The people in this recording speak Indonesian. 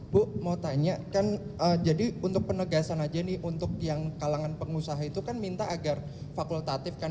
bu mau tanya kan jadi untuk penegasan aja nih untuk yang kalangan pengusaha itu kan minta agar fakultatif kan